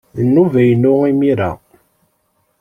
D nnuba-inu imir-a.